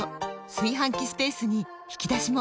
炊飯器スペースに引き出しも！